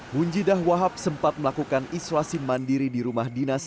munjidah wahab sempat melakukan isolasi mandiri di rumah dinas